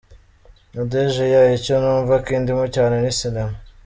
Nadege: Yeah, icyo numva kindimo cyane ni sinema.